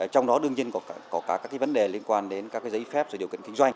trong đó đương nhiên có các vấn đề liên quan đến các giấy phép và điều kiện kinh doanh